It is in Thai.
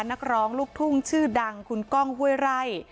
นักร้องลูกทุ่งชื่อดังคุณก้องห้วยไร่